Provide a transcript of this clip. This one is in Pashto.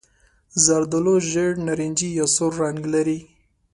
زردالو ژېړ نارنجي یا سور رنګ لري.